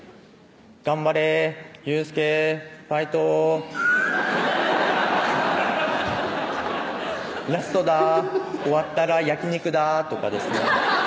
「頑張れー佑輔ーファイトー」「ラストだー終わったら焼き肉だー」とかですね